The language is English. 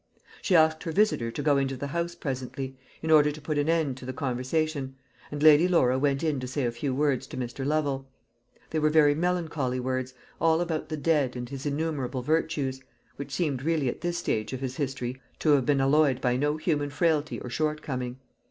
She asked her visitor to go into the house presently, in order to put an end to the conversation; and Lady Laura went in to say a few words to Mr. Lovel. They were very melancholy words all about the dead, and his innumerable virtues which seemed really at this stage of his history to have been alloyed by no human frailty or shortcoming.